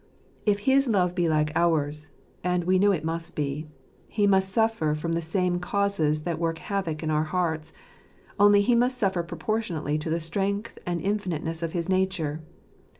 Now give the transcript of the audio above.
If his love be like ours (and we know it must be), He must suffer from the same causes that work havoc in our hearts, only He must suffer proportionately to the strength and infinite ness of his nature.